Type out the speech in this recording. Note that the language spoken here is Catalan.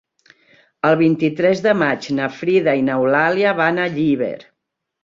El vint-i-tres de maig na Frida i n'Eulàlia van a Llíber.